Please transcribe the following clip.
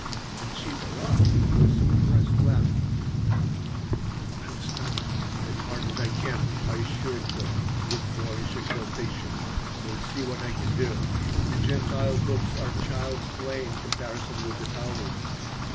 And she broke into a suppressed laugh "I'll study as hard as I can," I assured her, with boyish exultation. "You'll see what I can do. The Gentile books are child's play in comparison with the Talmud."